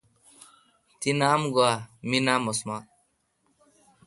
تی نام گوا می نام عثمان